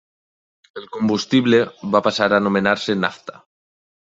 El combustible va passar a anomenar-se nafta.